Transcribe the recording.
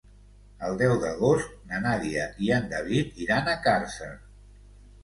El deu d'agost na Nàdia i en David iran a Càrcer.